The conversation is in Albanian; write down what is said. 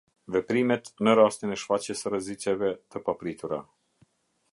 Veprimet në rastin e shfaqjes së rreziqeve të papritura.